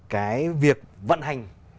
cái việc vận hành